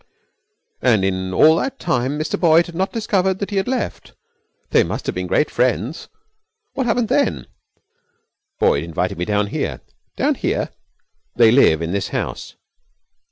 'And in all that time Mr Boyd had not discovered that he had left. They must have been great friends! What happened then?' 'Boyd invited me down here.' 'Down here?' 'They live in this house.'